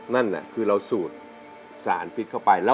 นั่นคือเราสูดสารพิษเข้าไป